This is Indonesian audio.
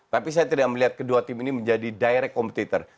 tapi saya tidak melihat kedua tim ini menjadi direct kompetitor